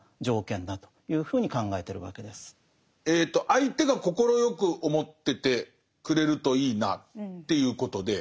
相手が快く思っててくれるといいなっていうことで。